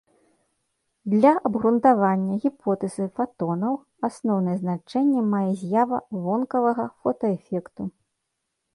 Для абгрунтавання гіпотэзы фатонаў асноўнае значэнне мае з'ява вонкавага фотаэфекту.